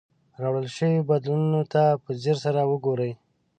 راوړل شوي بدلونونو ته په ځیر سره وګورئ.